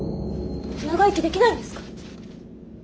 長生きできないのですか。